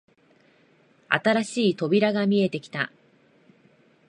新しい扉が見えてきた